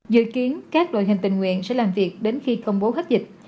dự kiến các đội hình tình nguyện sẽ làm việc đến khi công bố hết dịch